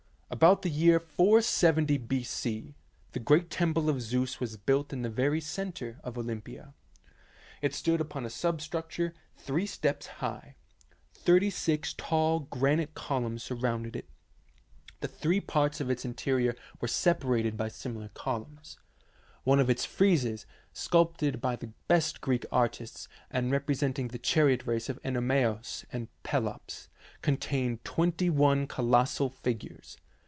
About the year 470 B.C., the great temple of Zeus was built in the very centre of Olympia. It stood upon a sub structure three steps high. Thirty six tall granite columns surrounded it, and the three parts of its interior were separated by similar columns. One of its friezes, sculptured by the best Greek artists, and representing the chariot race of (Enomaus and Pelops, contained twenty one colossal figures.